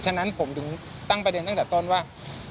ฉะนั้นผมถึงตั้งประเด็นตั้งแต่ต้นว่า